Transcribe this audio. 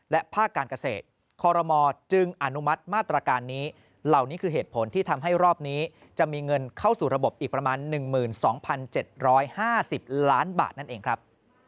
ล้านบาทนั่นเองครับ